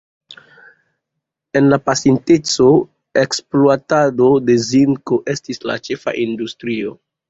En la pasinteco, ekspluatado de zinko estis la ĉefa industrio.